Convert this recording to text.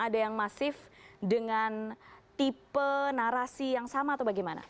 ada yang masif dengan tipe narasi yang sama atau bagaimana